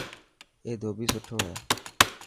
اي ڌوٻي سٺو هي.